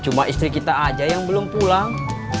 cuma istri kita aja yang belum pulang